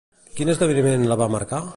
Quin esdeveniment la va marcar?